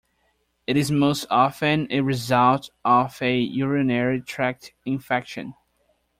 It is most often a result of a urinary tract infection.